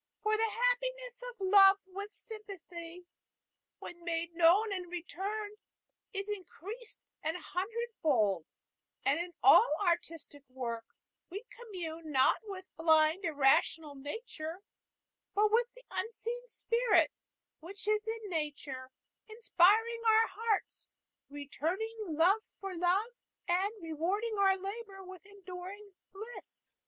For the happiness of love with sympathy, when made known and returned, is increased an hundredfold; and in all artistic work we commune not with blind, irrational nature, but with the unseen spirit which is in nature, inspiring our hearts, returning love for love, and rewarding our labor with enduring bliss.